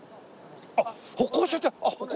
あっ歩行者天国。